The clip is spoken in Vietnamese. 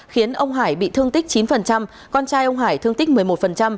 khiến ông hải bị thương tích chín con trai ông hải thương tích một mươi một